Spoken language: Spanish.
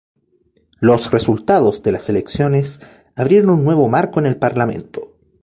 Los resultados de las elecciones abrieron un nuevo marco en el parlamento.